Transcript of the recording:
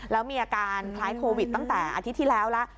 แล้วมีอาการคล้ายโควิดตั้งแต่อาทิตย์ที่แล้วแล้ว